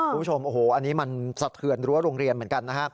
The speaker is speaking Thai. คุณผู้ชมโอ้โหอันนี้มันสะเทือนรั้วโรงเรียนเหมือนกันนะครับ